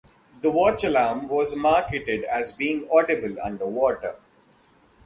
The watch alarm was marketed as being audible underwater.